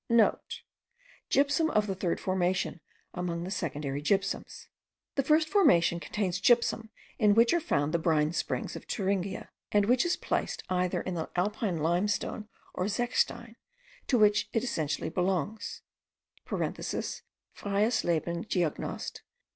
(* Gypsum of the third formation among the secondary gypsums. The first formation contains the gypsum in which are found the brine springs of Thuringia, and which is placed either in the Alpine limestone or zechstein, to which it essentially belongs (Freiesleben Geognost.